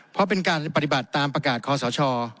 เพราะเป็นการปฏิบัติตามประกาศคอสช